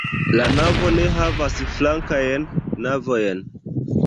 La navo ne havas flankajn navojn.